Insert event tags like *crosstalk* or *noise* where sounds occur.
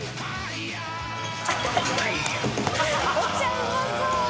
うまそう *laughs*